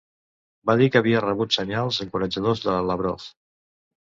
Va dir que havia rebut senyals encoratjadors de Lavrov.